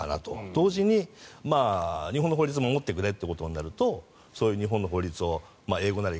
同時に日本の法律を守ってくれということになるとそういう日本の法律を英語なり